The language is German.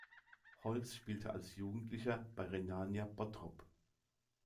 Holz spielte als Jugendlicher bei Rhenania Bottrop.